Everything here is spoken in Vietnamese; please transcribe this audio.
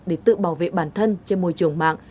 để tự bảo vệ bản thân trên môi trường mạng